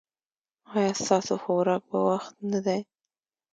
ایا ستاسو خوراک په وخت نه دی؟